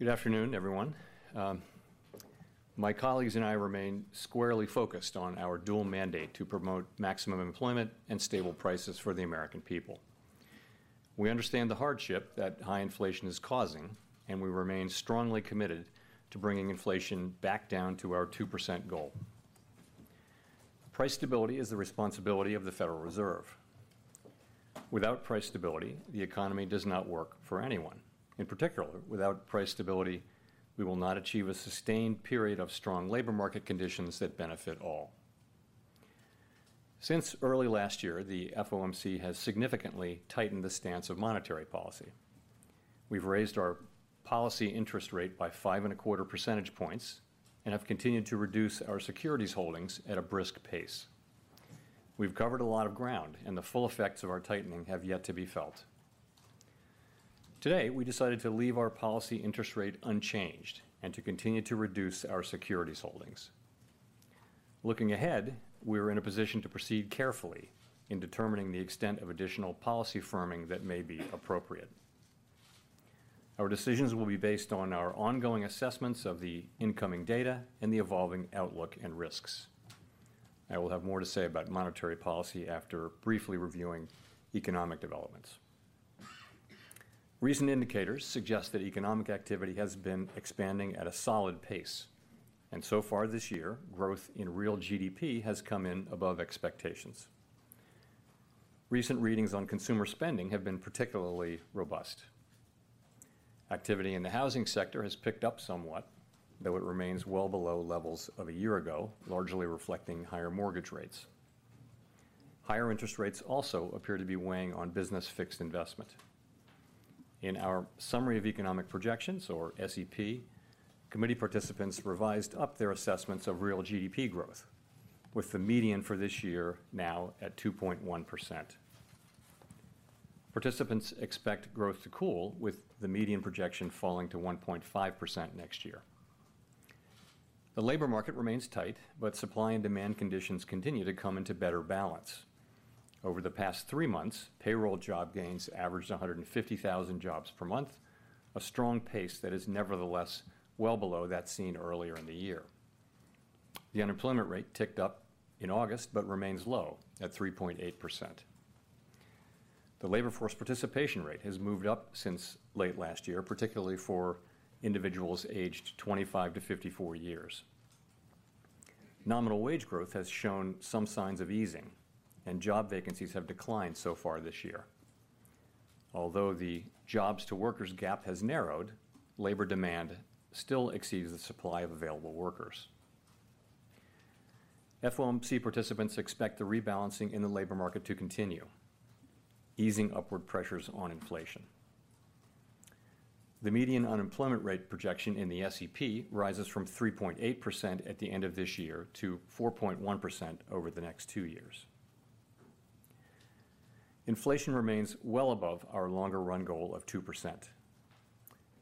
Good afternoon, everyone. My colleagues and I remain squarely focused on our dual mandate to promote maximum employment and stable prices for the American people. We understand the hardship that high inflation is causing, and we remain strongly committed to bringing inflation back down to our 2% goal. Price stability is the responsibility of the Federal Reserve. Without price stability, the economy does not work for anyone. In particular, without price stability, we will not achieve a sustained period of strong labor market conditions that benefit all. Since early last year, the FOMC has significantly tightened the stance of monetary policy. We've raised our policy interest rate by 5.25 percentage points, and have continued to reduce our securities holdings at a brisk pace. We've covered a lot of ground, and the full effects of our tightening have yet to be felt. Today, we decided to leave our policy interest rate unchanged and to continue to reduce our securities holdings. Looking ahead, we are in a position to proceed carefully in determining the extent of additional policy firming that may be appropriate. Our decisions will be based on our ongoing assessments of the incoming data and the evolving outlook and risks. I will have more to say about monetary policy after briefly reviewing economic developments. Recent indicators suggest that economic activity has been expanding at a solid pace, and so far this year, growth in real GDP has come in above expectations. Recent readings on consumer spending have been particularly robust. Activity in the housing sector has picked up somewhat, though it remains well below levels of a year ago, largely reflecting higher mortgage rates. Higher interest rates also appear to be weighing on business fixed investment. In our Summary of Economic Projections, or SEP, Committee participants revised up their assessments of real GDP growth, with the median for this year now at 2.1%. Participants expect growth to cool, with the median projection falling to 1.5% next year. The labor market remains tight, but supply and demand conditions continue to come into better balance. Over the past three months, payroll job gains averaged 150,000 jobs per month, a strong pace that is nevertheless well below that seen earlier in the year. The unemployment rate ticked up in August, but remains low at 3.8%. The labor force participation rate has moved up since late last year, particularly for individuals aged 25-54 years. Nominal wage growth has shown some signs of easing, and job vacancies have declined so far this year. Although the jobs-to-workers gap has narrowed, labor demand still exceeds the supply of available workers. FOMC participants expect the rebalancing in the labor market to continue, easing upward pressures on inflation. The median unemployment rate projection in the SEP rises from 3.8% at the end of this year to 4.1% over the next two years. Inflation remains well above our longer run goal of 2%.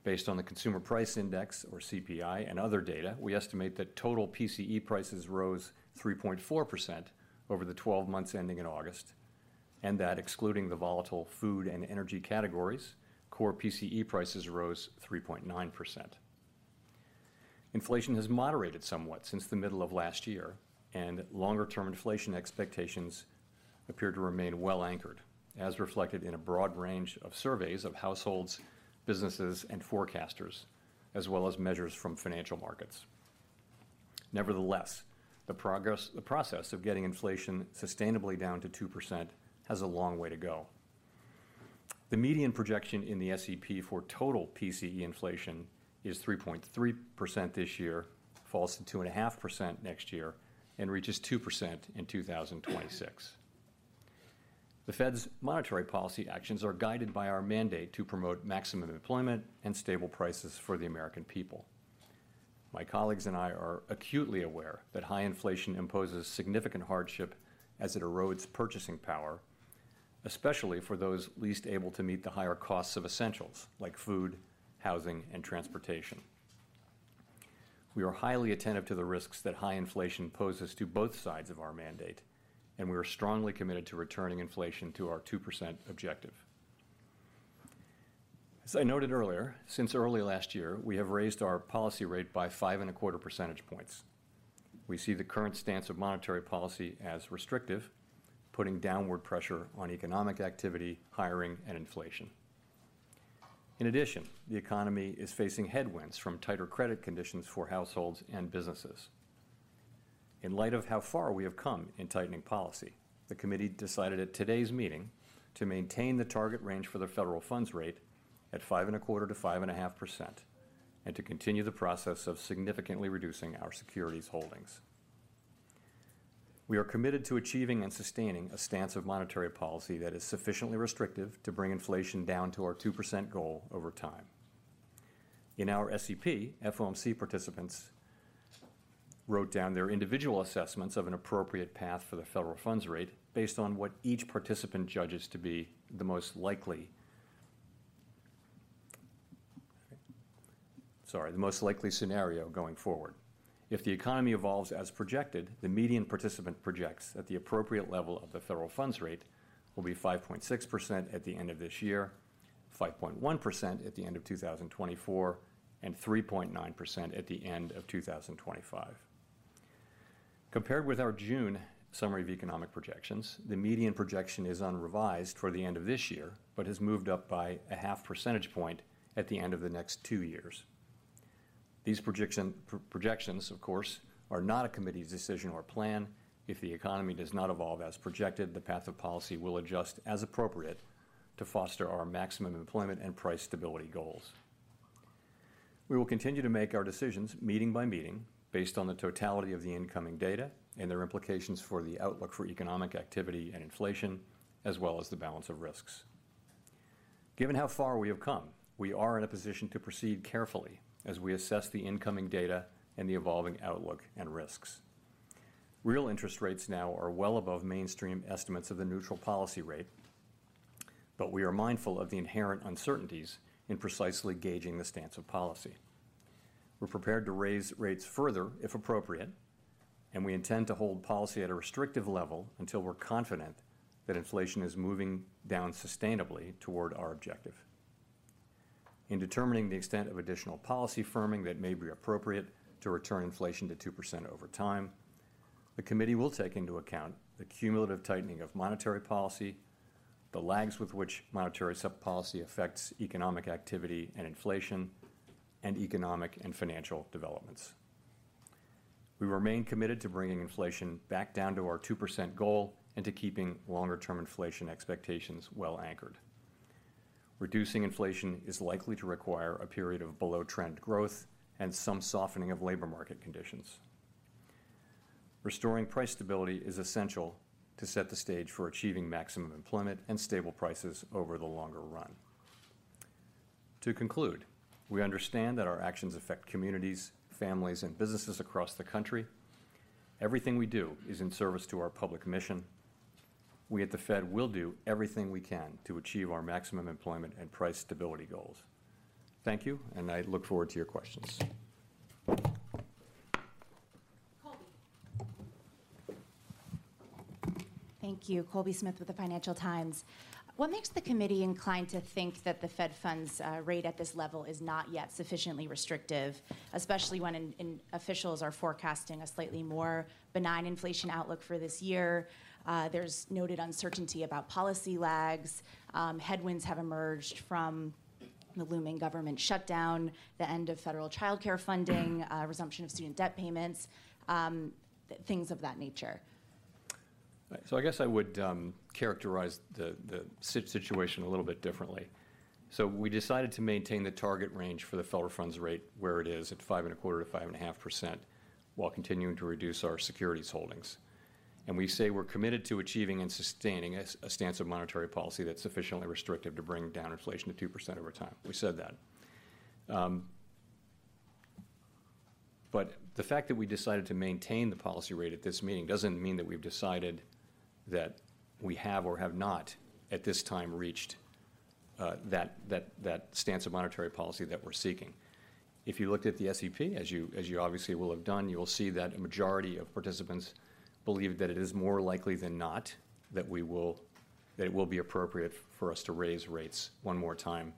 Based on the Consumer Price Index, or CPI, and other data, we estimate that total PCE prices rose 3.4% over the 12 months ending in August, and that excluding the volatile food and energy categories, core PCE prices rose 3.9%. Inflation has moderated somewhat since the middle of last year, and longer-term inflation expectations appear to remain well anchored, as reflected in a broad range of surveys of households, businesses, and forecasters, as well as measures from financial markets. Nevertheless, the process of getting inflation sustainably down to 2% has a long way to go. The median projection in the SEP for total PCE inflation is 3.3% this year, falls to 2.5% next year, and reaches 2% in 2026. The Fed's monetary policy actions are guided by our mandate to promote maximum employment and stable prices for the American people. My colleagues and I are acutely aware that high inflation imposes significant hardship as it erodes purchasing power, especially for those least able to meet the higher costs of essentials like food, housing, and transportation. We are highly attentive to the risks that high inflation poses to both sides of our mandate, and we are strongly committed to returning inflation to our 2% objective. As I noted earlier, since early last year, we have raised our policy rate by 5.25 percentage points. We see the current stance of monetary policy as restrictive, putting downward pressure on economic activity, hiring, and inflation. In addition, the economy is facing headwinds from tighter credit conditions for households and businesses. In light of how far we have come in tightening policy, the Committee decided at today's meeting to maintain the target range federal funds rate at 5.25%-5.5%, and to continue the process of significantly reducing our securities holdings. We are committed to achieving and sustaining a stance of monetary policy that is sufficiently restrictive to bring inflation down to our 2% goal over time. In our SEP, FOMC participants wrote down their individual assessments of an appropriate path federal funds rate based on what each participant judges to be the most likely... Sorry, the most likely scenario going forward. If the economy evolves as projected, the median participant projects that the appropriate level federal funds rate... will be 5.6% at the end of this year, 5.1% at the end of 2024, and 3.9% at the end of 2025. Compared with our June Summary of Economic Projections, the median projection is unrevised for the end of this year, but has moved up by 0.5 percentage point at the end of the next two years. These projections, of course, are not a Committee's decision or plan. If the economy does not evolve as projected, the path of policy will adjust as appropriate to foster our maximum employment and price stability goals. We will continue to make our decisions meeting by meeting, based on the totality of the incoming data and their implications for the outlook for economic activity and inflation, as well as the balance of risks. Given how far we have come, we are in a position to proceed carefully as we assess the incoming data and the evolving outlook and risks. Real interest rates now are well above mainstream estimates of the neutral policy rate, but we are mindful of the inherent uncertainties in precisely gauging the stance of policy. We're prepared to raise rates further, if appropriate, and we intend to hold policy at a restrictive level until we're confident that inflation is moving down sustainably toward our objective. In determining the extent of additional policy firming that may be appropriate to return inflation to 2% over time, the Committee will take into account the cumulative tightening of monetary policy, the lags with which monetary policy affects economic activity and inflation, and economic and financial developments. We remain committed to bringing inflation back down to our 2% goal and to keeping longer-term inflation expectations well anchored. Reducing inflation is likely to require a period of below-trend growth and some softening of labor market conditions. Restoring price stability is essential to set the stage for achieving maximum employment and stable prices over the longer run. To conclude, we understand that our actions affect communities, families, and businesses across the country. Everything we do is in service to our public mission. We at the Fed will do everything we can to achieve our maximum employment and price stability goals. Thank you, and I look forward to your questions. Colby. Thank you. Colby Smith with the Financial Times. What makes the Committee inclined to think that the fed funds rate at this level is not yet sufficiently restrictive, especially when officials are forecasting a slightly more benign inflation outlook for this year? There's noted uncertainty about policy lags. Headwinds have emerged from the looming government shutdown, the end of federal childcare funding, resumption of student debt payments, things of that nature. So I guess I would characterize the situation a little bit differently. So we decided to maintain the target range federal funds rate where it is, at 5.25%-5.5%, while continuing to reduce our securities holdings. And we say we're committed to achieving and sustaining a stance of monetary policy that's sufficiently restrictive to bring down inflation to 2% over time. We said that. But the fact that we decided to maintain the policy rate at this meeting doesn't mean that we've decided that we have or have not, at this time, reached that stance of monetary policy that we're seeking. If you looked at the SEP, as you obviously will have done, you will see that a majority of participants believe that it is more likely than not that we will... That it will be appropriate for us to raise rates one more time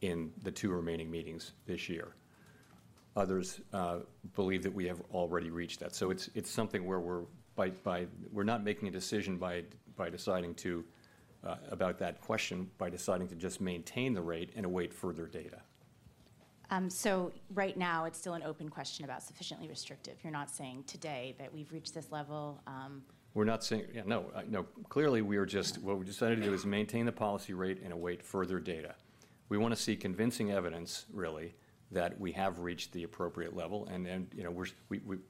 in the two remaining meetings this year. Others believe that we have already reached that. It's something where we're not making a decision about that question by deciding to just maintain the rate and await further data. So right now, it's still an open question about sufficiently restrictive? You're not saying today that we've reached this level? We're not saying... Yeah, no, no. Clearly, we are just- Yeah. What we decided to do is maintain the policy rate and await further data. We wanna see convincing evidence, really, that we have reached the appropriate level, and then, you know,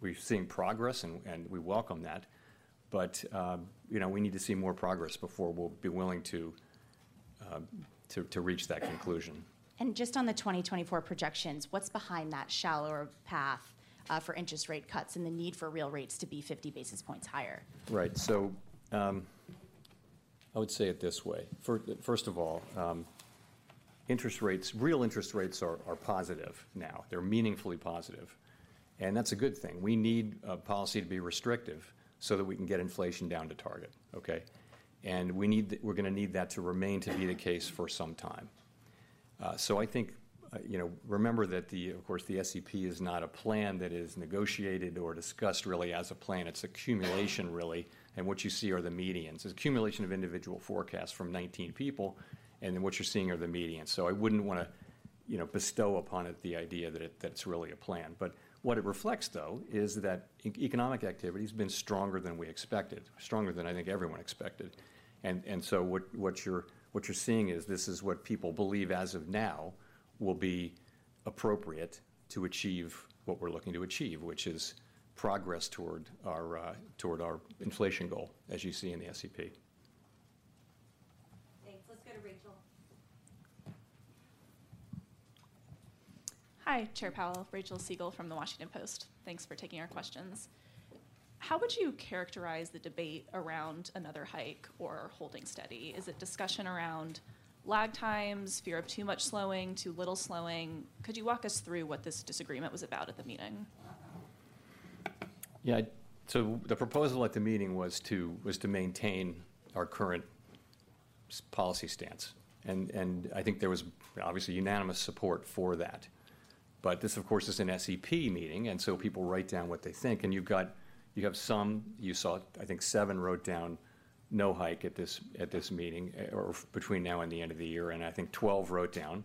we've seen progress, and we welcome that. But, you know, we need to see more progress before we'll be willing to reach that conclusion. Just on the 2024 projections, what's behind that shallower path for interest rate cuts and the need for real rates to be 50 basis points higher? Right. So, I would say it this way: First of all, interest rates, real interest rates are positive now. They're meaningfully positive, and that's a good thing. We need a policy to be restrictive so that we can get inflation down to target, okay? And we're gonna need that to remain to be the case for some time. So I think, you know, remember that, of course, the SEP is not a plan that is negotiated or discussed really as a plan. It's accumulation, really, and what you see are the medians. It's accumulation of individual forecasts from 19 people, and then what you're seeing are the medians. So I wouldn't wanna, you know, bestow upon it the idea that that it's really a plan. But what it reflects, though, is that economic activity has been stronger than we expected, stronger than I think everyone expected. And so what you're seeing is, this is what people believe as of now will be appropriate to achieve what we're looking to achieve, which is progress toward our inflation goal, as you see in the SEP. Thanks. Let's go to Rachel. Hi, Chair Powell. Rachel Siegel from The Washington Post. Thanks for taking our questions. How would you characterize the debate around another hike or holding steady? Is it discussion around lag times, fear of too much slowing, too little slowing? Could you walk us through what this disagreement was about at the meeting? Yeah, so the proposal at the meeting was to maintain our current policy stance, and I think there was obviously unanimous support for that. But this, of course, is an SEP meeting, and so people write down what they think, and you have some... You saw, I think seven wrote down no hike at this meeting or between now and the end of the year, and I think 12 wrote down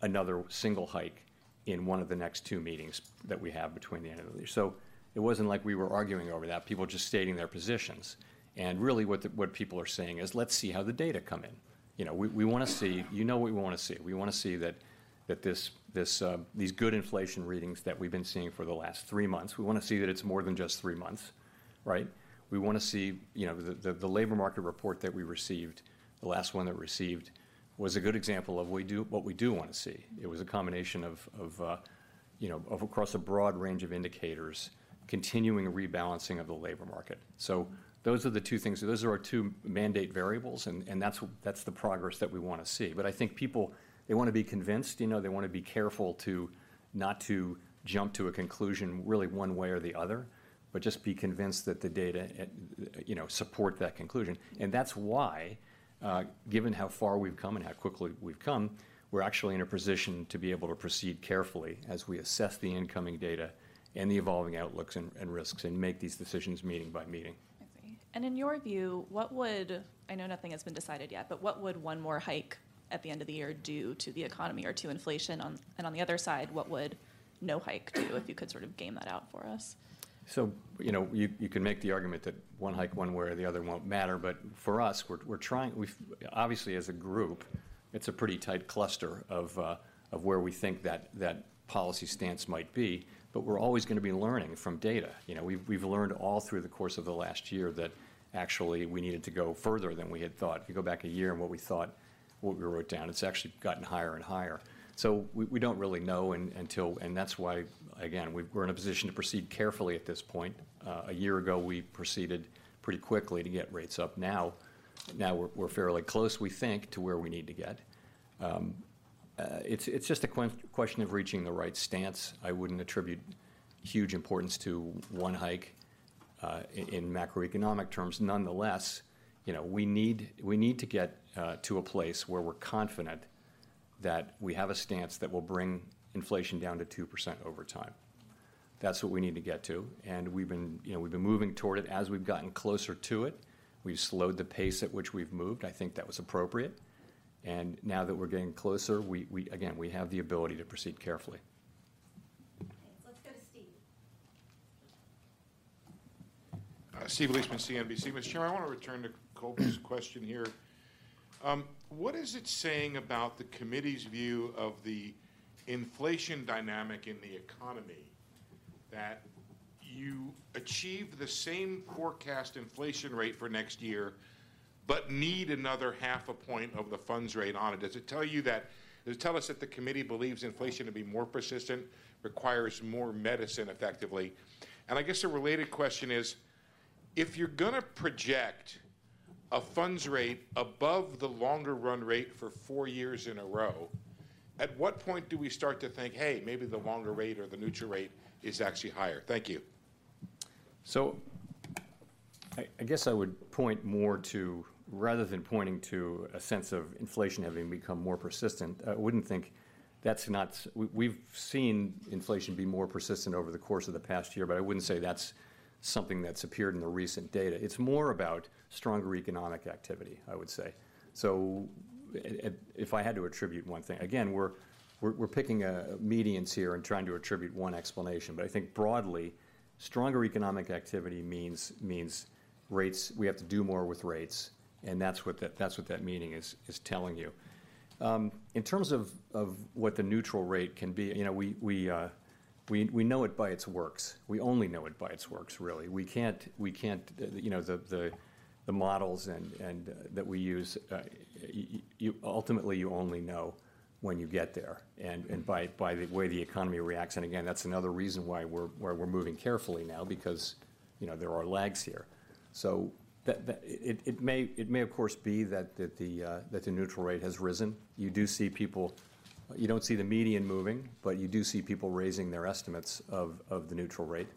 another single hike in one of the next two meetings that we have between the end of the year. So it wasn't like we were arguing over that, people were just stating their positions. And really, what people are saying is, "Let's see how the data come in." You know, we wanna see. You know what we wanna see. We wanna see that this these good inflation readings that we've been seeing for the last three months, we wanna see that it's more than just three months, right? We wanna see, you know, the labor market report that we received, the last one that we received, was a good example of what we do wanna see. It was a combination of, you know, across a broad range of indicators, continuing a rebalancing of the labor market. So those are the two things. Those are our two mandate variables, and that's the progress that we wanna see. But I think people, they wanna be convinced, you know, they wanna be careful to not jump to a conclusion really one way or the other, but just be convinced that the data, you know, support that conclusion. That's why, given how far we've come and how quickly we've come, we're actually in a position to be able to proceed carefully as we assess the incoming data and the evolving outlooks and risks, and make these decisions meeting by meeting. I see. In your view, what would... I know nothing has been decided yet, but what would one more hike at the end of the year do to the economy or to inflation on, and on the other side, what would no hike do? If you could sort of game that out for us. You know, you can make the argument that one hike one way or the other won't matter, but for us, we're trying-- We've-- Obviously, as a group, it's a pretty tight cluster of, of where we think that, that policy stance might be, but we're always gonna be learning from data. You know, we've learned all through the course of the last year that actually we needed to go further than we had thought. If you go back a year and what we thought, what we wrote down, it's actually gotten higher and higher. We don't really know un- until, and that's why, again, we've-- we're in a position to proceed carefully at this point. A year ago, we proceeded pretty quickly to get rates up. Now we're fairly close, we think, to where we need to get. It's just a question of reaching the right stance. I wouldn't attribute huge importance to one hike in macroeconomic terms. Nonetheless, you know, we need to get to a place where we're confident that we have a stance that will bring inflation down to 2% over time. That's what we need to get to, and we've been, you know, we've been moving toward it. As we've gotten closer to it, we've slowed the pace at which we've moved. I think that was appropriate. And now that we're getting closer, we again have the ability to proceed carefully. Okay, let's go to Steve. Steve Liesman, CNBC. Mr. Chair, I wanna return to Colby's question here. What is it saying about the Committee's view of the inflation dynamic in the economy, that you achieved the same forecast inflation rate for next year, but need another 0.5 point of the funds rate on it? Does it tell you that-does it tell us that the Committee believes inflation to be more persistent, requires more medicine, effectively? And I guess a related question is: If you're gonna project a funds rate above the longer run rate for four years in a row, at what point do we start to think, "Hey, maybe the longer rate or the neutral rate is actually higher?" Thank you. So I guess I would point more to, rather than pointing to a sense of inflation having become more persistent, I wouldn't think that's not. We've seen inflation be more persistent over the course of the past year, but I wouldn't say that's something that's appeared in the recent data. It's more about stronger economic activity, I would say. So if I had to attribute one thing. Again, we're picking medians here and trying to attribute one explanation, but I think broadly, stronger economic activity means rates. We have to do more with rates, and that's what that meaning is telling you. In terms of what the neutral rate can be, you know, we know it by its works. We only know it by its works, really. We can't, we can't, you know, the, the, the models and, and, that we use, you only know when you get there and by the way the economy reacts. Again, that's another reason why we're, why we're moving carefully now, because, you know, there are lags here. That, it may, it may, of course, be that the, that the neutral rate has risen. You don't see the median moving, but you do see people raising their estimates of the neutral rate,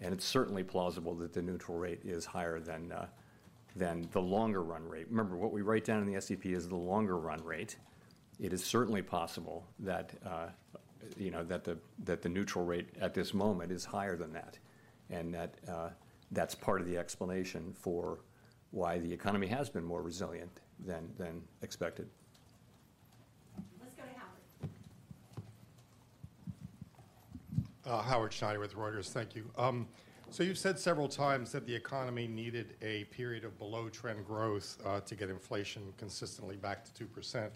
and it's certainly plausible that the neutral rate is higher than the longer run rate. Remember, what we write down in the SEP is the longer run rate. It is certainly possible that, you know, that the neutral rate at this moment is higher than that, and that that's part of the explanation for why the economy has been more resilient than expected. Let's go to Howard. Howard Schneider with Reuters. Thank you. So you've said several times that the economy needed a period of below-trend growth, to get inflation consistently back to 2%.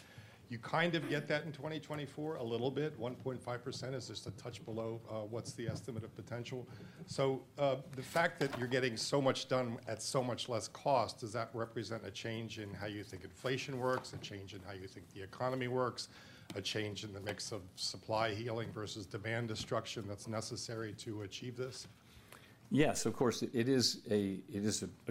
You kind of get that in 2024, a little bit, 1.5% is just a touch below, what's the estimate of potential. So, the fact that you're getting so much done at so much less cost, does that represent a change in how you think inflation works, a change in how you think the economy works, a change in the mix of supply healing versus demand destruction that's necessary to achieve this? Yes, of course. It is a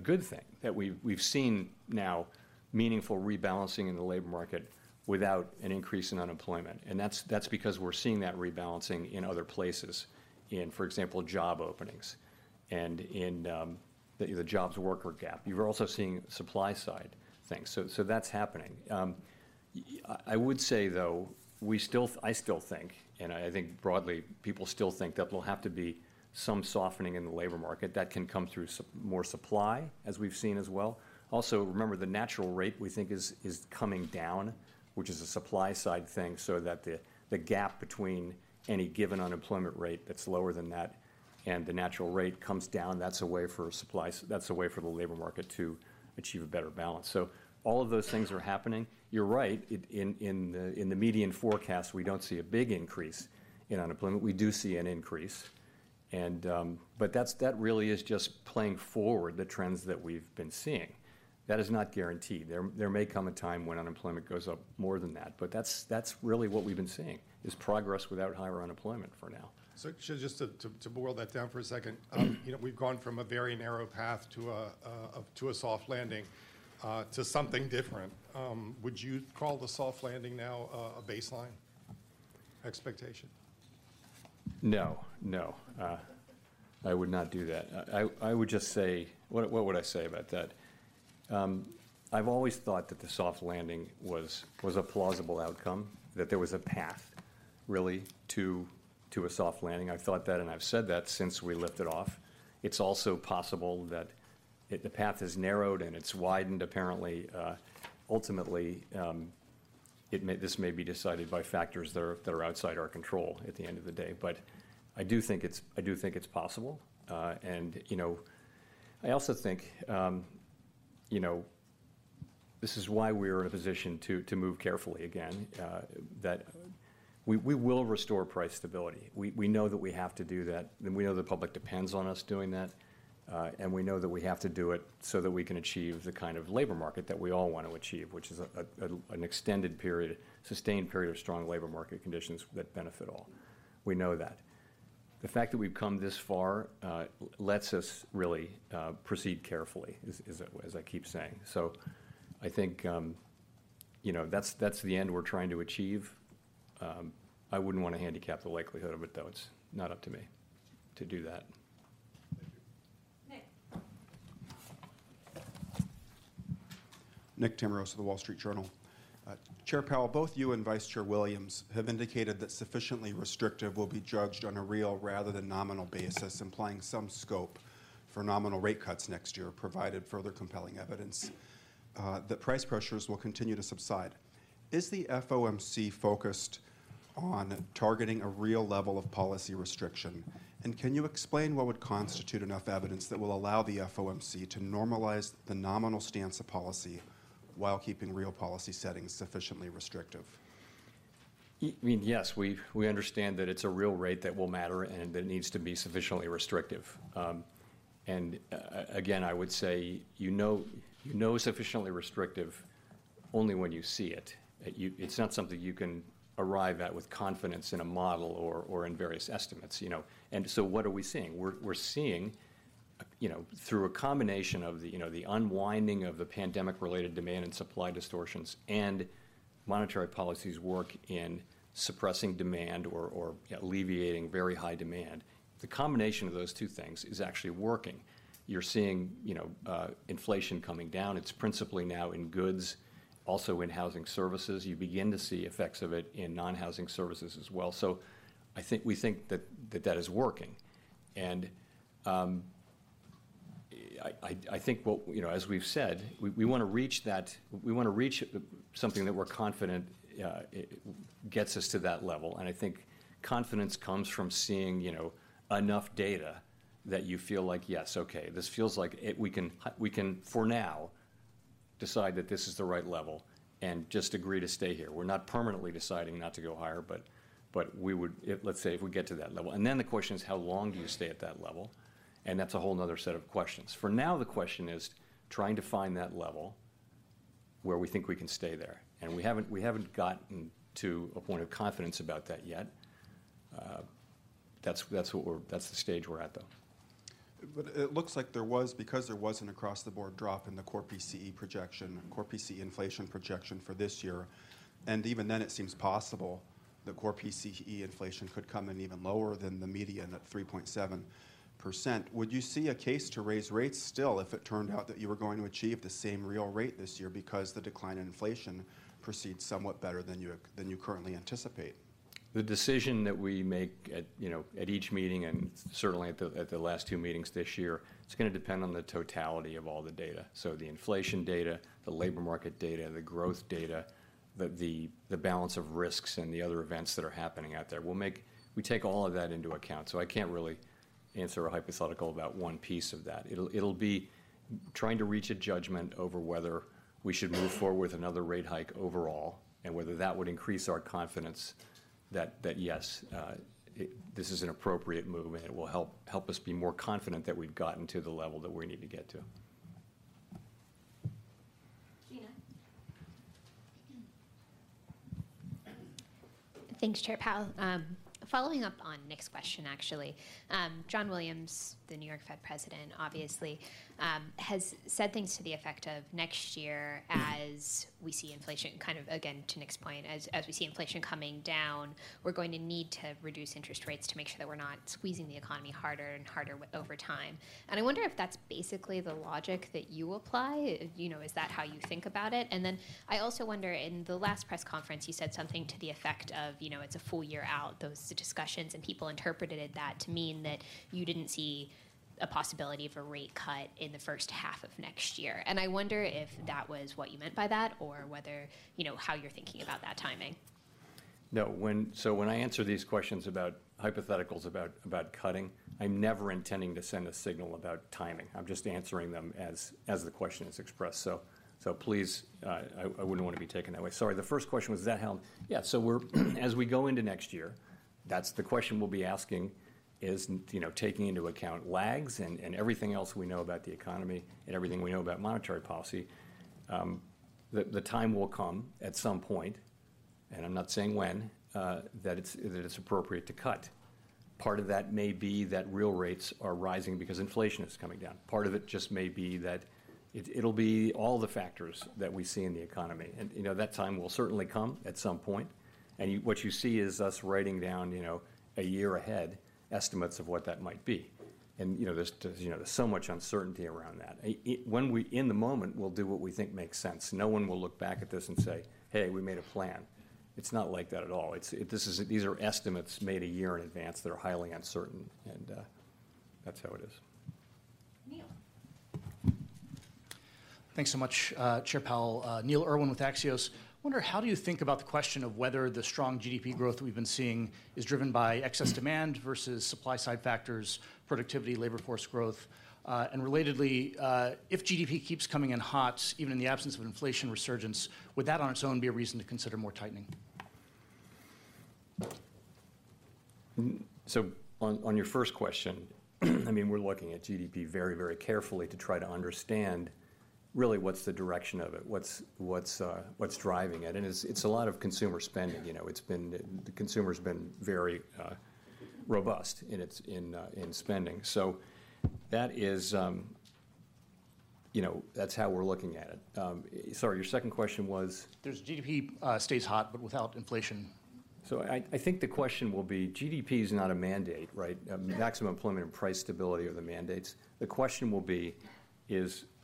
good thing that we've seen now meaningful rebalancing in the labor market without an increase in unemployment, and that's because we're seeing that rebalancing in other places, for example, job openings and the jobs-worker gap. You're also seeing supply-side things. So that's happening. I would say, though, we still think, I still think, and I think broadly, people still think that there'll have to be some softening in the labor market. That can come through more supply, as we've seen as well. Also, remember, the natural rate, we think, is coming down, which is a supply side thing, so that the gap between any given unemployment rate that's lower than that and the natural rate comes down, that's a way for the labor market to achieve a better balance. So all of those things are happening. You're right, in the median forecast, we don't see a big increase in unemployment. We do see an increase, and but that's, that really is just playing forward the trends that we've been seeing. That is not guaranteed. There may come a time when unemployment goes up more than that, but that's really what we've been seeing, is progress without higher unemployment for now. So just to boil that down for a second, you know, we've gone from a very narrow path to a soft landing to something different. Would you call the soft landing now a baseline expectation? No, no. I would not do that. I, I, I would just say... What would I say about that? I've always thought that the soft landing was, was a plausible outcome, that there was a path, really, to, to a soft landing. I've thought that, and I've said that since we lifted off. It's also possible that if the path has narrowed and it's widened, apparently, ultimately, it may, this may be decided by factors that are, that are outside our control at the end of the day. I do think it's, I do think it's possible. You know, I also think, you know, this is why we're in a position to, to move carefully again, that we, we will restore price stability. We know that we have to do that, and we know the public depends on us doing that, and we know that we have to do it so that we can achieve the kind of labor market that we all want to achieve, which is an extended period, sustained period of strong labor market conditions that benefit all. We know that. The fact that we've come this far lets us really proceed carefully, as I keep saying. I think, you know, that's the end we're trying to achieve. I wouldn't wanna handicap the likelihood of it, though. It's not up to me to do that. Thank you. Nick Timiraos of The Wall Street Journal. Chair Powell, both you and Vice Chair Williams have indicated that sufficiently restrictive will be judged on a real rather than nominal basis, implying some scope for nominal rate cuts next year, provided further compelling evidence that price pressures will continue to subside. Is the FOMC focused on targeting a real level of policy restriction, and can you explain what would constitute enough evidence that will allow the FOMC to normalize the nominal stance of policy while keeping real policy settings sufficiently restrictive? I mean, yes, we understand that it's a real rate that will matter and that it needs to be sufficiently restrictive. And again, I would say, you know, sufficiently restrictive only when you see it. It's not something you can arrive at with confidence in a model or in various estimates, you know? And so what are we seeing? We're seeing, you know, through a combination of you know, the unwinding of the pandemic-related demand and supply distortions and monetary policies' work in suppressing demand or alleviating very high demand, the combination of those two things is actually working. You're seeing, you know, inflation coming down. It's principally now in goods, also in housing services. You begin to see effects of it in non-housing services as well. I think we think that, that is working, and I think what-- You know, as we've said, we want to reach that, we want to reach something that we're confident, it gets us to that level, and I think confidence comes from seeing, you know, enough data that you feel like: Yes, okay, this feels like it, we can h- we can, for now, decide that this is the right level and just agree to stay here. We're not permanently deciding not to go higher, but we would, if, let's say, if we get to that level. The question is, how long do you stay at that level? That's a whole 'nother set of questions. For now, the question is trying to find that level where we think we can stay there, and we haven't, we haven't gotten to a point of confidence about that yet. That's, that's what we're, that's the stage we're at, though. It looks like there was, because there was an across-the-board drop in the core PCE projection, core PCE inflation projection for this year, and even then, it seems possible that core PCE inflation could come in even lower than the median at 3.7%. Would you see a case to raise rates still if it turned out that you were going to achieve the same real rate this year because the decline in inflation proceeds somewhat better than you currently anticipate? The decision that we make at, you know, at each meeting, and certainly at the last two meetings this year, it's gonna depend on the totality of all the data, so the inflation data, the labor market data, the growth data, the balance of risks, and the other events that are happening out there. We take all of that into account, so I can't really answer a hypothetical about one piece of that. It'll be trying to reach a judgment over whether we should move forward with another rate hike overall, and whether that would increase our confidence that, yes, this is an appropriate move, and it will help us be more confident that we've gotten to the level that we need to get to. Jeanna. Thanks, Chair Powell. Following up on Nick's question, actually, John Williams, the New York Fed President, obviously, has said things to the effect of next year, as we see inflation, kind of, again, to Nick's point, as we see inflation coming down, we're going to need to reduce interest rates to make sure that we're not squeezing the economy harder and harder over time.... and I wonder if that's basically the logic that you apply. You know, is that how you think about it? And then I also wonder, in the last press conference, you said something to the effect of, you know, it's a full year out, those discussions, and people interpreted that to mean that you didn't see a possibility of a rate cut in the first half of next year. And I wonder if that was what you meant by that, or whether, you know, how you're thinking about that timing. No, when—so when I answer these questions about hypotheticals, about, about cutting, I'm never intending to send a signal about timing. I'm just answering them as, as the question is expressed. So, so please, I, I wouldn't want to be taken that way. Sorry, the first question was that how... Yeah, so we're, as we go into next year, that's the question we'll be asking is, you know, taking into account lags and, and everything else we know about the economy and everything we know about monetary policy, the, the time will come at some point, and I'm not saying when, that it's, that it's appropriate to cut. Part of that may be that real rates are rising because inflation is coming down. Part of it just may be that it, it'll be all the factors that we see in the economy. And, you know, that time will certainly come at some point, and you, what you see is us writing down, you know, a year ahead, estimates of what that might be. And, you know, there's just, you know, there's so much uncertainty around that. In the moment, we'll do what we think makes sense. No one will look back at this and say, "Hey, we made a plan." It's not like that at all. It's, this is, these are estimates made a year in advance that are highly uncertain, and that's how it is. Neil. Thanks so much, Chair Powell. Neil Irwin with Axios. I wonder, how do you think about the question of whether the strong GDP growth we've been seeing is driven by excess demand versus supply-side factors, productivity, labor force growth? And relatedly, if GDP keeps coming in hot, even in the absence of inflation resurgence, would that on its own be a reason to consider more tightening? So on your first question, I mean, we're looking at GDP very, very carefully to try to understand really what's the direction of it, what's driving it. And it's a lot of consumer spending. You know, it's been the consumer's been very robust in its spending. So that is, you know, that's how we're looking at it. Sorry, your second question was? There's GDP stays hot, but without inflation. So I think the question will be, GDP is not a mandate, right? Yeah. Maximum employment and price stability are the mandates. The question will be,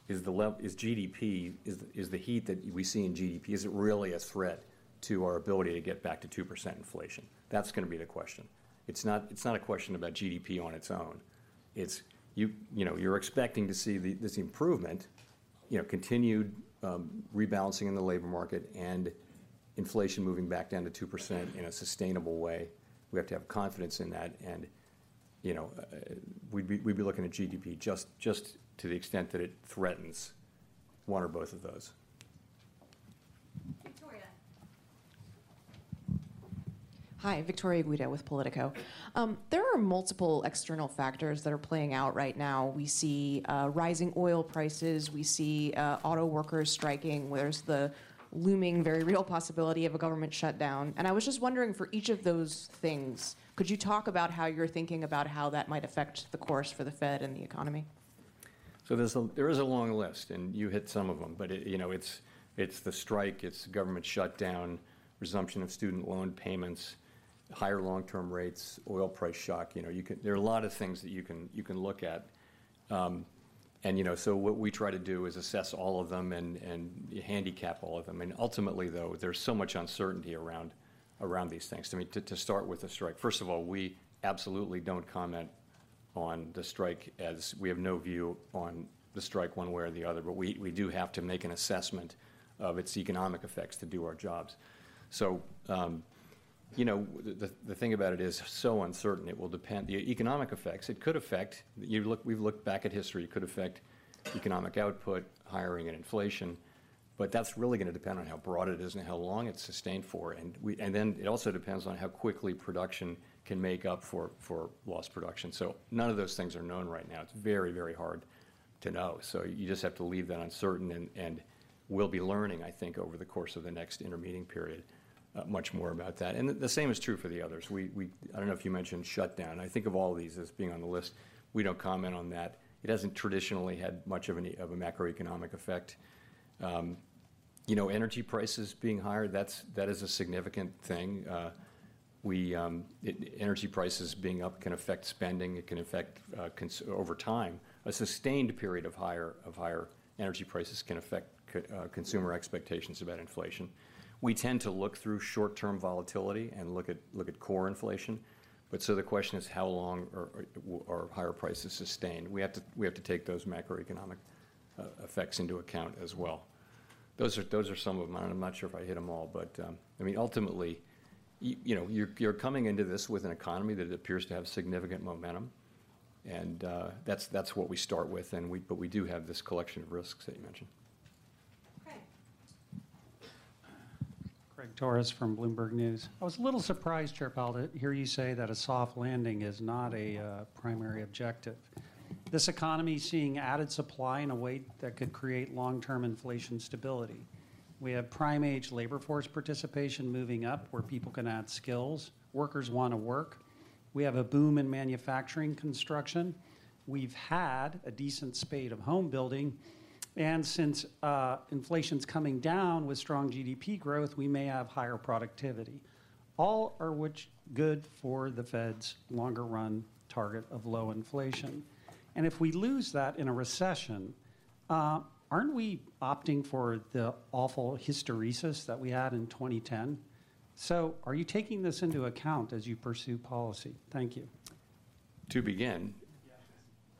is the heat that we see in GDP, is it really a threat to our ability to get back to 2% inflation? That's gonna be the question. It's not, it's not a question about GDP on its own. It's, you know, you're expecting to see the, this improvement, you know, continued rebalancing in the labor market and inflation moving back down to 2% in a sustainable way. We have to have confidence in that, and, you know, we'd be, we'd be looking at GDP just, just to the extent that it threatens one or both of those. Victoria. Hi, Victoria Guida with POLITICO. There are multiple external factors that are playing out right now. We see rising oil prices. We see auto workers striking, where there's the looming, very real possibility of a government shutdown. I was just wondering, for each of those things, could you talk about how you're thinking about how that might affect the course for the Fed and the economy? So there's a long list, and you hit some of them. But you know, it's the strike, it's government shutdown, resumption of student loan payments, higher long-term rates, oil price shock. You know, you can, there are a lot of things that you can, you can look at. And you know, so what we try to do is assess all of them and handicap all of them. And ultimately, though, there's so much uncertainty around these things. I mean, to start with the strike, first of all, we absolutely don't comment on the strike, as we have no view on the strike one way or the other, but we do have to make an assessment of its economic effects to do our jobs. You know, the thing about it is, so uncertain, it will depend-- the economic effects, it could affect... You've looked, we've looked back at history, it could affect economic output, hiring, and inflation, but that's really gonna depend on how broad it is and how long it's sustained for. We, and then it also depends on how quickly production can make up for, for lost production. None of those things are known right now. It's very, very hard to know. You just have to leave that uncertain, and we'll be learning, I think, over the course of the next intermeeting period, much more about that. The same is true for the others. We-- I don't know if you mentioned shutdown, and I think of all these as being on the list. We don't comment on that. It hasn't traditionally had much of any, of a macroeconomic effect. You know, energy prices being higher, that's, that is a significant thing. We, energy prices being up can affect spending. It can affect, cons- over time, a sustained period of higher, of higher energy prices can affect c- consumer expectations about inflation. We tend to look through short-term volatility and look at, look at core inflation, but the question is, how long are, are higher prices sustained? We have to, we have to take those macroeconomic effects into account as well. Those are, those are some of them, and I'm not sure if I hit them all. I mean, ultimately, you know, you're, you're coming into this with an economy that appears to have significant momentum, and that's, that's what we start with, and we... But we do have this collection of risks that you mentioned. Craig. Craig Torres from Bloomberg News. I was a little surprised, Chair Powell, to hear you say that a soft landing is not a primary objective. This economy is seeing added supply in a way that could create long-term inflation stability. We have prime-age labor force participation moving up, where people can add skills. Workers want to work. We have a boom in manufacturing construction. We've had a decent spate of home building, and since inflation's coming down with strong GDP growth, we may have higher productivity, all are which good for the Fed's longer run target of low inflation. If we lose that in a recession—... Aren't we opting for the awful hysteresis that we had in 2010? So are you taking this into account as you pursue policy? Thank you. To begin- Yes.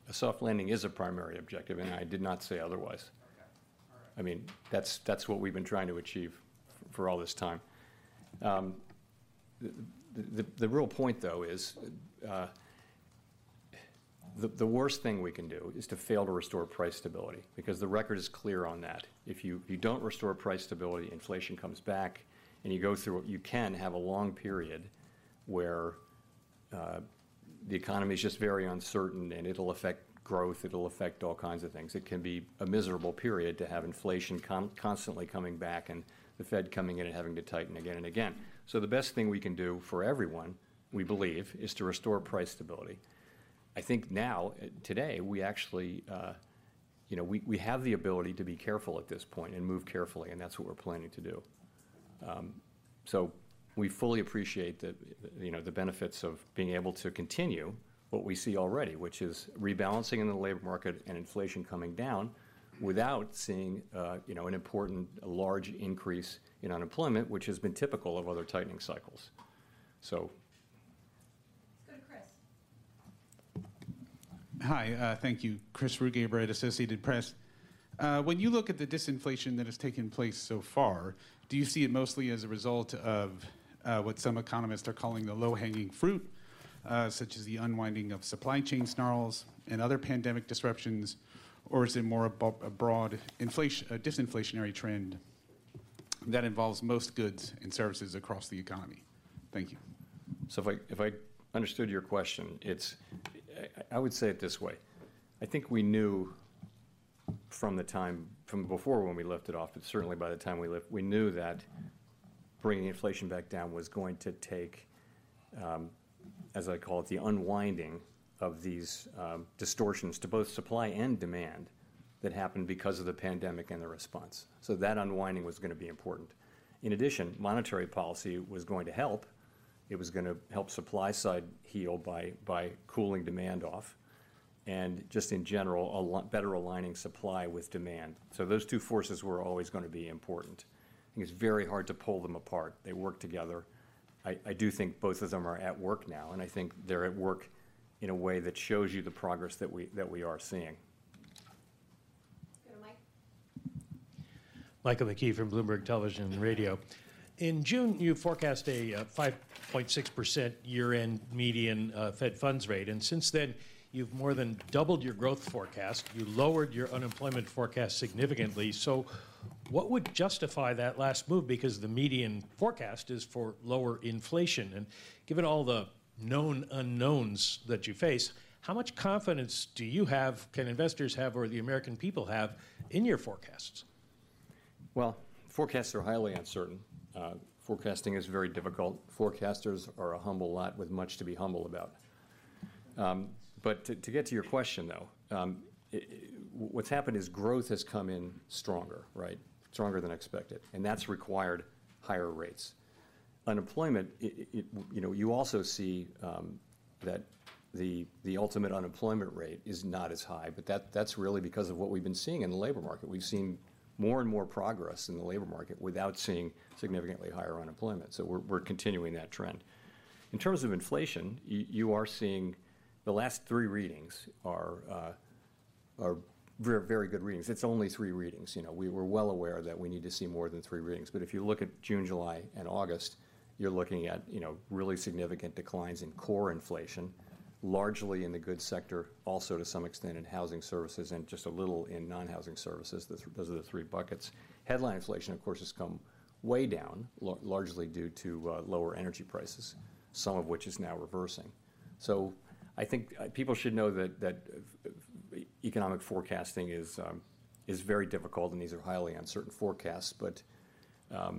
A soft landing is a primary objective, and I did not say otherwise. Okay. All right. I mean, that's, that's what we've been trying to achieve for all this time. The real point, though, is the worst thing we can do is to fail to restore price stability, because the record is clear on that. If you don't restore price stability, inflation comes back, and you go through a... You can have a long period where the economy is just very uncertain, and it'll affect growth, it'll affect all kinds of things. It can be a miserable period to have inflation constantly coming back, and the Fed coming in and having to tighten again and again. So the best thing we can do for everyone, we believe, is to restore price stability. I think now, today, we actually, you know, we have the ability to be careful at this point and move carefully, and that's what we're planning to do. So we fully appreciate that, you know, the benefits of being able to continue what we see already, which is rebalancing in the labor market and inflation coming down without seeing, you know, an important, large increase in unemployment, which has been typical of other tightening cycles. So- Let's go to Chris. Hi, thank you. Chris Rugaber, Associated Press. When you look at the disinflation that has taken place so far, do you see it mostly as a result of what some economists are calling the low-hanging fruit, such as the unwinding of supply chain snarls and other pandemic disruptions? Or is it more a broad disinflationary trend that involves most goods and services across the economy? Thank you. So if I, if I understood your question, it's, I would say it this way: I think we knew from the time, from before when we lifted off, but certainly by the time we lift, we knew that bringing inflation back down was going to take, as I call it, the unwinding of these, distortions to both supply and demand that happened because of the pandemic and the response. So that unwinding was gonna be important. In addition, monetary policy was going to help. It was gonna help supply side heal by, by cooling demand off and just in general, a lot better aligning supply with demand. So those two forces were always gonna be important. I think it's very hard to pull them apart. They work together. I do think both of them are at work now, and I think they're at work in a way that shows you the progress that we are seeing. Let's go to Mike. Michael McKee from Bloomberg Television and Radio. In June, you forecast a 5.6% year-end median fed funds rate, and since then, you've more than doubled your growth forecast. You lowered your unemployment forecast significantly. So what would justify that last move? Because the median forecast is for lower inflation, and given all the known unknowns that you face, how much confidence do you have, can investors have, or the American people have in your forecasts? Well, forecasts are highly uncertain. Forecasting is very difficult. Forecasters are a humble lot with much to be humble about. But to get to your question, though, what's happened is growth has come in stronger, right? Stronger than expected, and that's required higher rates. Unemployment, you know, you also see that the ultimate unemployment rate is not as high, but that's really because of what we've been seeing in the labor market. We've seen more and more progress in the labor market without seeing significantly higher unemployment, so we're continuing that trend. In terms of inflation, you are seeing the last three readings are very, very good readings. It's only three readings, you know. We were well aware that we need to see more than three readings, but if you look at June, July, and August, you're looking at, you know, really significant declines in core inflation, largely in the goods sector, also to some extent in housing services and just a little in non-housing services. Those are the three buckets. Headline inflation, of course, has come way down, largely due to lower energy prices, some of which is now reversing. So I think people should know that economic forecasting is very difficult, and these are highly uncertain forecasts, but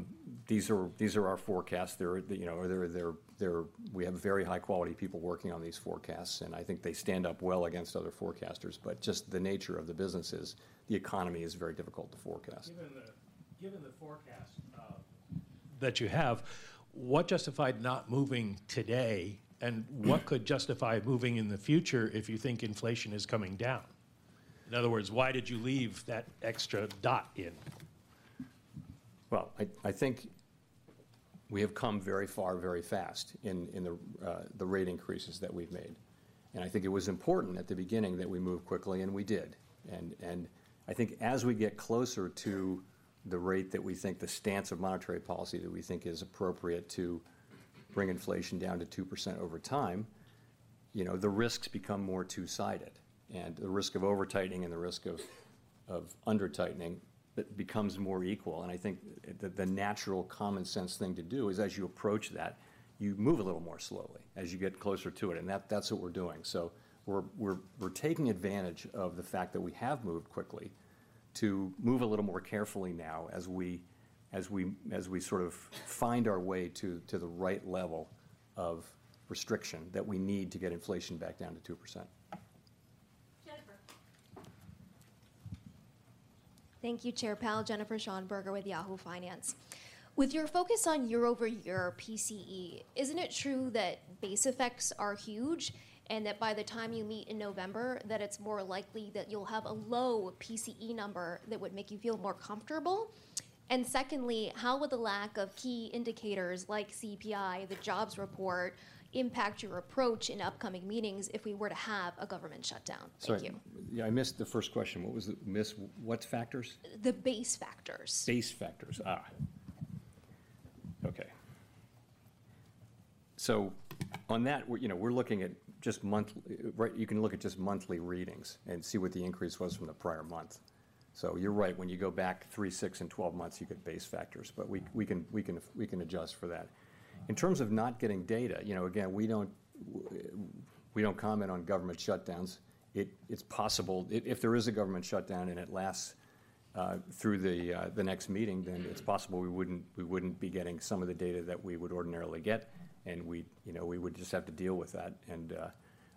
these are our forecasts. They're, you know, they're... We have very high-quality people working on these forecasts, and I think they stand up well against other forecasters. Just the nature of the business is the economy is very difficult to forecast. Given the forecast that you have, what justified not moving today, and what could justify moving in the future if you think inflation is coming down? In other words, why did you leave that extra dot in? Well, I think we have come very far, very fast in the rate increases that we've made, and I think it was important at the beginning that we move quickly, and we did. And I think as we get closer to the rate that we think the stance of monetary policy that we think is appropriate to bring inflation down to 2% over time, you know, the risks become more two-sided, and the risk of over-tightening and the risk of under-tightening, it becomes more equal. And I think the natural common sense thing to do is as you approach that, you move a little more slowly as you get closer to it, and that's what we're doing. So we're taking advantage of the fact that we have moved quickly to move a little more carefully now as we sort of find our way to the right level of restriction that we need to get inflation back down to 2%. Jennifer. ...Thank you, Chair Powell. Jennifer Schonberger with Yahoo Finance. With your focus on year-over-year PCE, isn't it true that base effects are huge, and that by the time you meet in November, that it's more likely that you'll have a low PCE number that would make you feel more comfortable? And secondly, how would the lack of key indicators like CPI, the jobs report, impact your approach in upcoming meetings if we were to have a government shutdown? Thank you. Sorry, yeah, I missed the first question. Missed what factors? The base factors. Base factors. Okay. So on that, we're, you know, we're looking at just monthly readings and see what the increase was from the prior month. So you're right, when you go back three, six, and 12 months, you get base factors. But we can adjust for that. In terms of not getting data, you know, again, we don't comment on government shutdowns. It's possible, if there is a government shutdown, and it lasts through the next meeting, then it's possible we wouldn't be getting some of the data that we would ordinarily get, and we'd, you know, we would just have to deal with that. And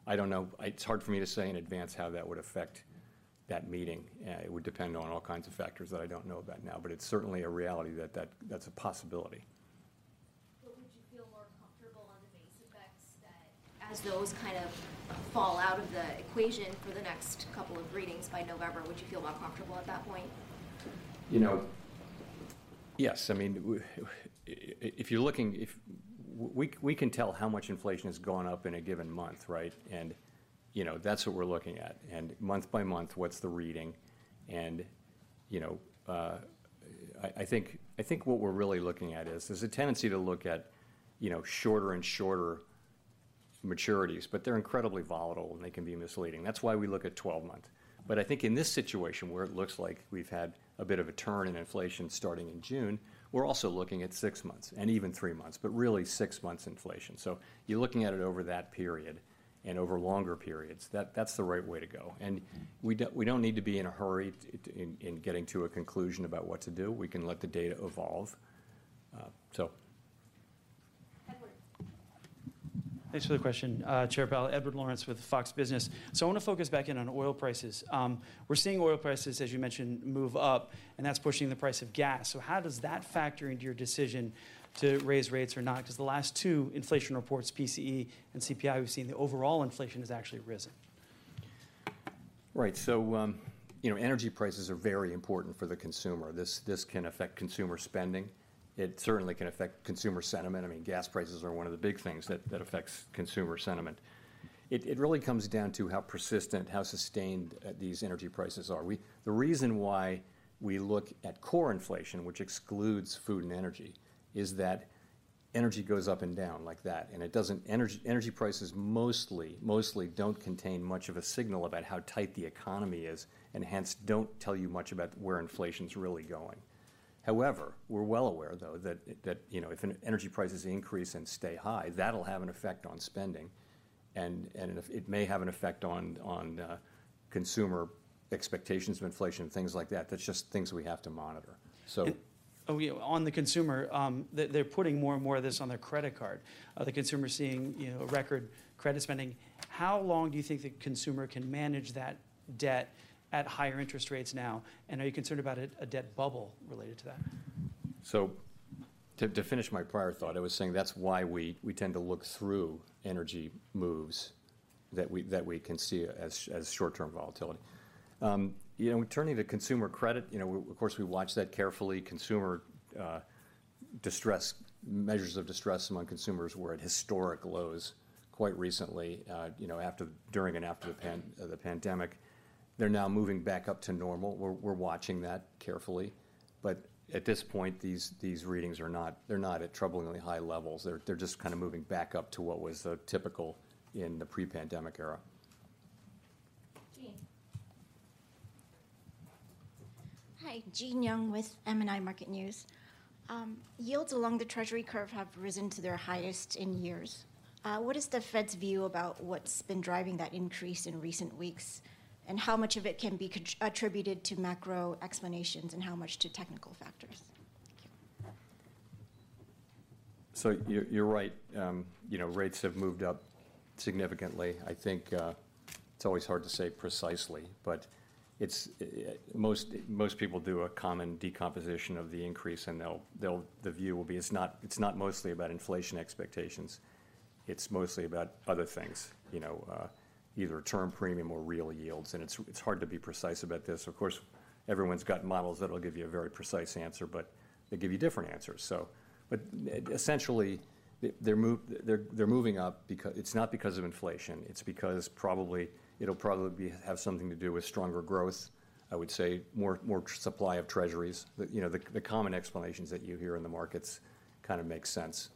I don't know, it's hard for me to say in advance how that would affect that meeting. It would depend on all kinds of factors that I don't know about now, but it's certainly a reality that that's a possibility. Would you feel more comfortable on the base effects that as those kind of fall out of the equation for the next couple of readings by November, would you feel more comfortable at that point? You know, yes. I mean, if you're looking, if... We can tell how much inflation has gone up in a given month, right? And, you know, that's what we're looking at, and month by month, what's the reading? You know, I think, I think what we're really looking at is, there's a tendency to look at, you know, shorter and shorter maturities, but they're incredibly volatile, and they can be misleading. That's why we look at 12 months. I think in this situation, where it looks like we've had a bit of a turn in inflation starting in June, we're also looking at six months and even three months, but really six months inflation. You're looking at it over that period and over longer periods. That, that's the right way to go. And we don't need to be in a hurry to get to a conclusion about what to do. We can let the data evolve. So- Edward. Thanks for the question, Chair Powell. Edward Lawrence with FOX Business. So I wanna focus back in on oil prices. We're seeing oil prices, as you mentioned, move up, and that's pushing the price of gas. So how does that factor into your decision to raise rates or not? 'Cause the last two inflation reports, PCE and CPI, we've seen the overall inflation has actually risen. Right. You know, energy prices are very important for the consumer. This can affect consumer spending. It certainly can affect consumer sentiment. I mean, gas prices are one of the big things that affects consumer sentiment. It really comes down to how persistent, how sustained these energy prices are. The reason why we look at core inflation, which excludes food and energy, is that energy goes up and down like that, and it doesn't—energy prices mostly don't contain much of a signal about how tight the economy is, and hence, don't tell you much about where inflation's really going. However, we're well aware, though, that, you know, if energy prices increase and stay high, that'll have an effect on spending, and if it may have an effect on consumer expectations of inflation, things like that. That's just things we have to monitor. So- Oh, yeah, on the consumer, they're putting more and more of this on their credit card. The consumer's seeing, you know, record credit spending. How long do you think the consumer can manage that debt at higher interest rates now? And are you concerned about a debt bubble related to that? So to finish my prior thought, I was saying that's why we tend to look through energy moves that we can see as short-term volatility. You know, turning to consumer credit, you know, of course, we watch that carefully. Consumer distress, measures of distress among consumers were at historic lows quite recently, you know, after, during and after the pandemic. They're now moving back up to normal. We're watching that carefully, but at this point, these readings are not, they're not at troublingly high levels. They're just kind of moving back up to what was the typical in the pre-pandemic era. Jean. Hi, Jean Yung with MNI Market News. Yields along the Treasury curve have risen to their highest in years. What is the Fed's view about what's been driving that increase in recent weeks, and how much of it can be attributed to macro explanations and how much to technical factors? Thank you. So you're right. You know, rates have moved up significantly. I think it's always hard to say precisely, but it's most people do a common decomposition of the increase, and they'll the view will be, it's not mostly about inflation expectations. It's mostly about other things, you know, either term premium or real yields, and it's hard to be precise about this. Of course, everyone's got models that'll give you a very precise answer, but they give you different answers. So, but, essentially, they're moving up because. It's not because of inflation. It's because probably, it'll probably be, have something to do with stronger growth, I would say more supply of Treasuries. But, you know, the common explanations that you hear in the markets kind of make sense.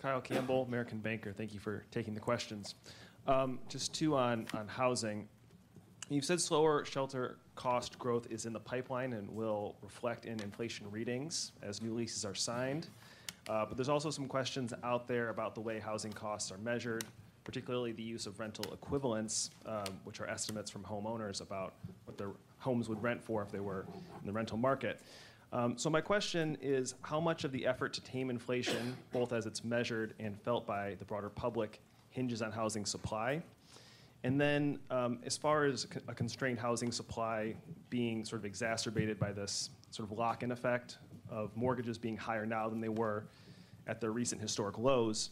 Kyle. Kyle Campbell, American Banker, thank you for taking the questions. Just two on housing. You've said slower shelter cost growth is in the pipeline and will reflect in inflation readings as new leases are signed. But there's also some questions out there about the way housing costs are measured, particularly the use of rental equivalents, which are estimates from homeowners about what their homes would rent for if they were in the rental market. So my question is, how much of the effort to tame inflation, both as it's measured and felt by the broader public, hinges on housing supply? And then, as far as a constrained housing supply being sort of exacerbated by this sort of lock-in effect of mortgages being higher now than they were at their recent historic lows,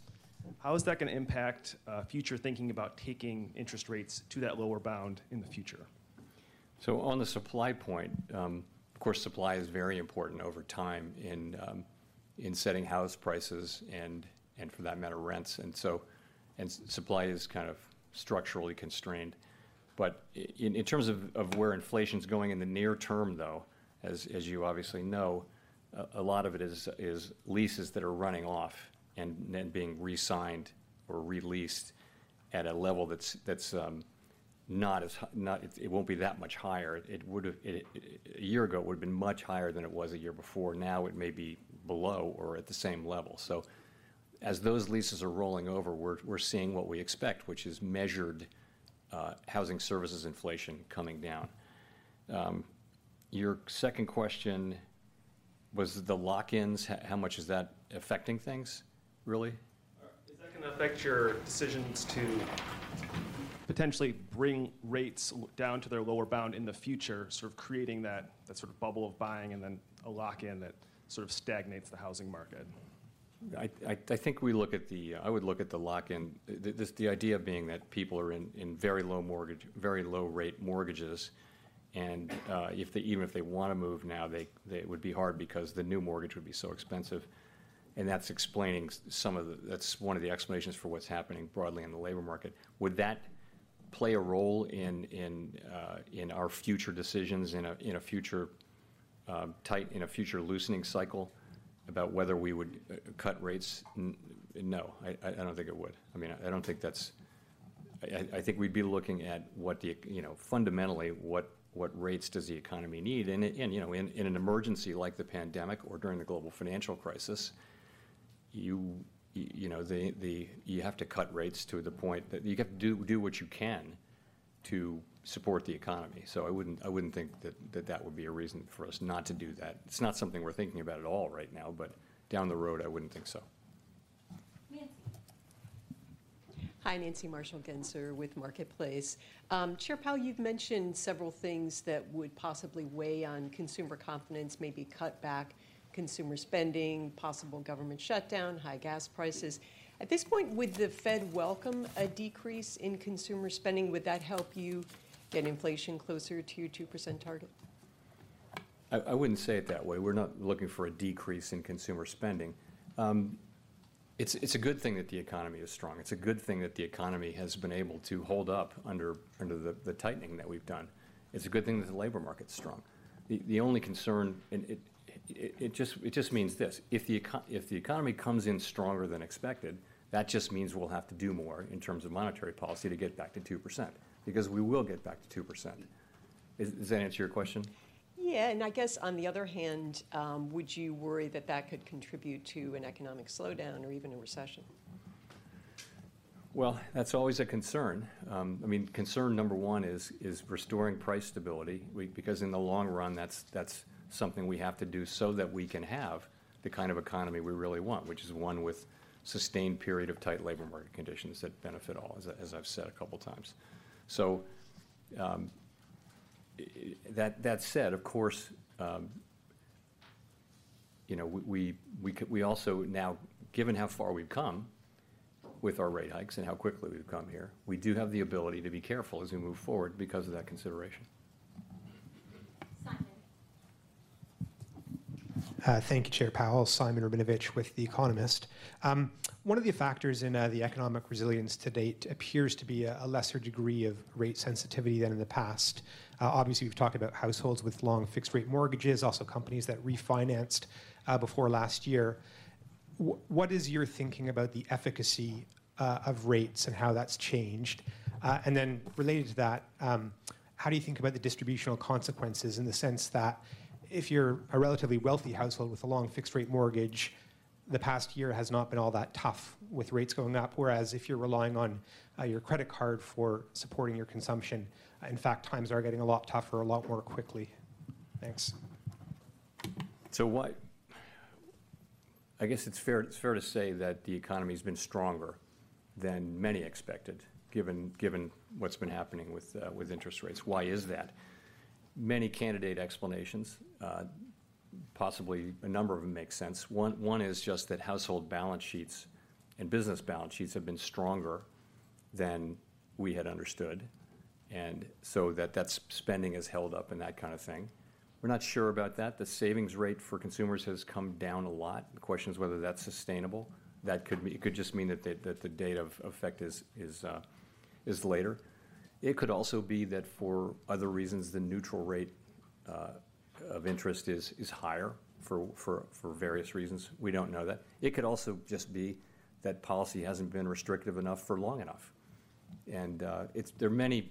how is that gonna impact future thinking about taking interest rates to that lower bound in the future? On the supply point, of course, supply is very important over time in setting house prices and, for that matter, rents. Supply is kind of structurally constrained. In terms of where inflation's going in the near term, though, as you obviously know, a lot of it is leases that are running off and then being re-signed or re-leased at a level that's not as h- not-- it won't be that much higher. It would've... It, a year ago, it would've been much higher than it was a year before. Now, it may be below or at the same level. As those leases are rolling over, we're seeing what we expect, which is measured housing services inflation coming down. Your second question was the lock-ins, how much is that affecting things, really? Is that gonna affect your decisions to potentially bring rates down to their lower bound in the future, sort of creating that, that sort of bubble of buying and then a lock-in that sort of stagnates the housing market? I think we look at the, I would look at the lock-in, the idea being that people are in very low-rate mortgages, and if they—even if they want to move now, it would be hard because the new mortgage would be so expensive, and that's explaining some of the—that's one of the explanations for what's happening broadly in the labor market. Would that play a role in our future decisions, in a future tightening—in a future loosening cycle, about whether we would cut rates? No, I don't think it would. I mean, I don't think that's—I think we'd be looking at what the—you know, fundamentally, what rates does the economy need? You know, in an emergency like the pandemic or during the global financial crisis, you have to cut rates to the point that you got to do what you can to support the economy. I wouldn't think that would be a reason for us not to do that. It's not something we're thinking about at all right now, but down the road, I wouldn't think so. Nancy. Hi, Nancy Marshall-Genzer with Marketplace. Chair Powell, you've mentioned several things that would possibly weigh on consumer confidence, maybe cut back consumer spending, possible government shutdown, high gas prices. At this point, would the Fed welcome a decrease in consumer spending? Would that help you get inflation closer to your 2% target? I wouldn't say it that way. We're not looking for a decrease in consumer spending. It's a good thing that the economy is strong. It's a good thing that the economy has been able to hold up under the tightening that we've done. It's a good thing that the labor market's strong. The only concern, and it just means this: If the economy comes in stronger than expected, that just means we'll have to do more in terms of monetary policy to get back to 2%, because we will get back to 2%. Does that answer your question? Yeah. And I guess on the other hand, would you worry that that could contribute to an economic slowdown or even a recession? Well, that's always a concern. I mean, concern number one is restoring price stability. We, because in the long run, that's something we have to do so that we can have the kind of economy we really want, which is one with sustained period of tight labor market conditions that benefit all, as I've said a couple times. So, that said, of course, you know, we also now, given how far we've come with our rate hikes and how quickly we've come here, we do have the ability to be careful as we move forward because of that consideration. Simon. Thank you, Chair Powell. Simon Rabinovitch with The Economist. One of the factors in the economic resilience to date appears to be a lesser degree of rate sensitivity than in the past. Obviously, we've talked about households with long fixed-rate mortgages, also companies that refinanced before last year. What is your thinking about the efficacy of rates and how that's changed? Related to that, how do you think about the distributional consequences, in the sense that if you're a relatively wealthy household with a long fixed-rate mortgage, the past year has not been all that tough with rates going up, whereas if you're relying on your credit card for supporting your consumption, in fact, times are getting a lot tougher, a lot more quickly. Thanks. So, I guess it's fair, it's fair to say that the economy's been stronger than many expected, given what's been happening with interest rates. Why is that? Many candidate explanations. Possibly a number of them make sense. One is just that household balance sheets and business balance sheets have been stronger than we had understood, and so that spending has held up and that kind of thing. We're not sure about that. The savings rate for consumers has come down a lot. The question is whether that's sustainable. That could be, it could just mean that the date of effect is later. It could also be that for other reasons, the neutral rate of interest is higher for various reasons. We don't know that. It could also just be that policy hasn't been restrictive enough for long enough. There are many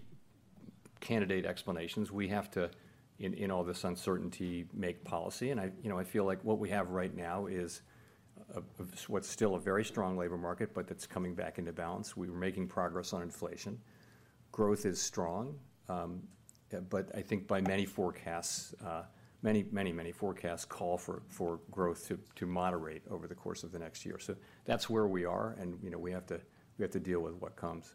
candidate explanations. We have to, in all this uncertainty, make policy, and I, you know, I feel like what we have right now is a, what's still a very strong labor market, but that's coming back into balance. We were making progress on inflation. Growth is strong, but I think by many forecasts, many, many, many forecasts call for growth to moderate over the course of the next year. That's where we are, and, you know, we have to deal with what comes.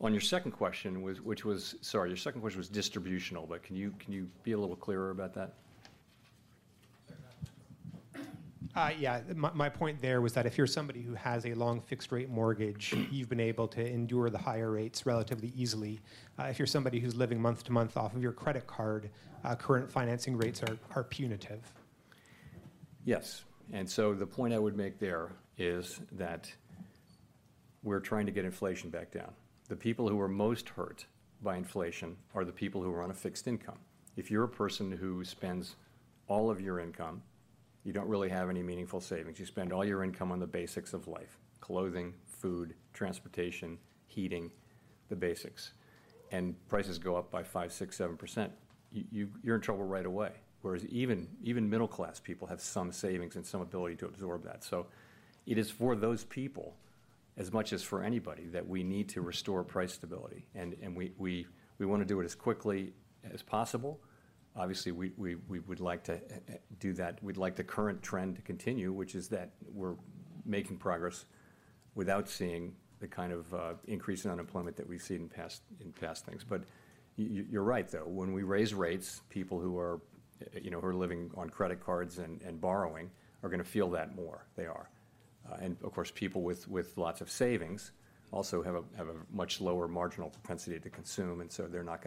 On your second question, which was, sorry, your second question was distributional, but can you be a little clearer about that? Yeah. My point there was that if you're somebody who has a long fixed-rate mortgage, you've been able to endure the higher rates relatively easily. If you're somebody who's living month to month off of your credit card, current financing rates are punitive. Yes. And so the point I would make there is that we're trying to get inflation back down. The people who are most hurt by inflation are the people who are on a fixed income. If you're a person who spends all of your income, you don't really have any meaningful savings, you spend all your income on the basics of life: clothing, food, transportation, heating, the basics, and prices go up by 5%, 6%, 7%, you're in trouble right away. Whereas even middle-class people have some savings and some ability to absorb that. So it is for those people, as much as for anybody, that we need to restore price stability. And we wanna do it as quickly as possible. Obviously, we would like to do that... We'd like the current trend to continue, which is that we're making progress without seeing the kind of increase in unemployment that we've seen in past, in past things. You, you're right, though. When we raise rates, people who are, you know, who are living on credit cards and borrowing are gonna feel that more. They are. Of course, people with lots of savings also have a much lower marginal propensity to consume, and so they're not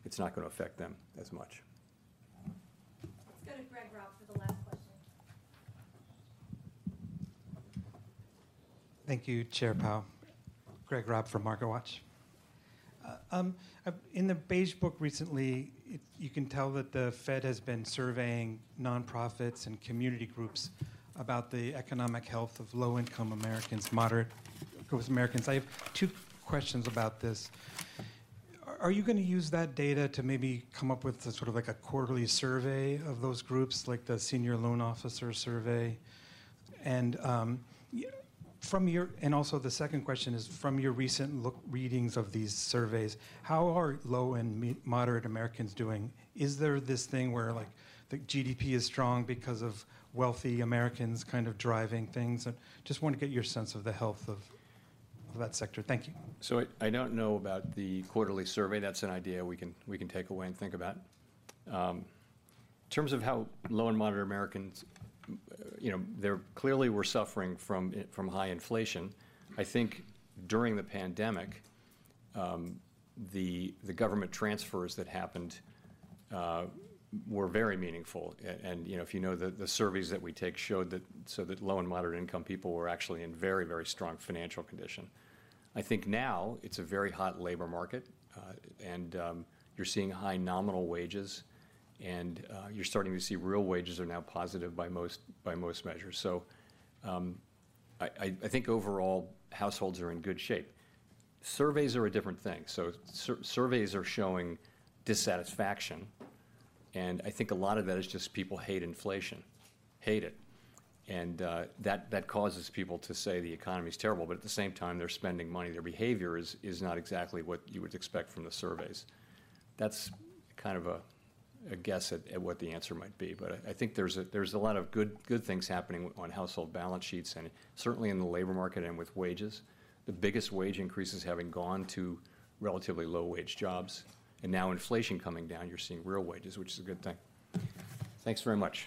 gonna—it's not gonna affect them as much. Let's go to Greg Robb for the last question. Thank you, Chair Powell. Greg Robb from MarketWatch. In the Beige Book recently, it- you can tell that the Fed has been surveying nonprofits and community groups about the economic health of low-income Americans, moderate-income Americans. I have two questions about this. Are you gonna use that data to maybe come up with a sort of like a quarterly survey of those groups, like the Senior Loan Officer Survey? Also, the second question is, from your recent look- readings of these surveys, how are low and moderate Americans doing? Is there this thing where, like, the GDP is strong because of wealthy Americans kind of driving things? Just want to get your sense of the health of that sector. Thank you. I don't know about the quarterly survey. That's an idea we can take away and think about. In terms of how low and moderate Americans, you know, they're clearly were suffering from in, from high inflation. I think during the pandemic, the government transfers that happened were very meaningful. A- and, you know, if you know, the surveys that we take showed that, so that low and moderate-income people were actually in very, very strong financial condition. I think now it's a very hot labor market, and, you know, you're seeing high nominal wages, and, you know, you're starting to see real wages are now positive by most, by most measures. I think overall, households are in good shape. Surveys are a different thing. Surveys are showing dissatisfaction, and I think a lot of that is just people hate inflation. Hate it! That causes people to say the economy is terrible, but at the same time, they're spending money. Their behavior is not exactly what you would expect from the surveys. That's kind of a guess at what the answer might be, but I think there's a lot of good things happening on household balance sheets and certainly in the labor market and with wages. The biggest wage increases having gone to relatively low-wage jobs, and now inflation coming down, you're seeing real wages, which is a good thing. Thanks very much.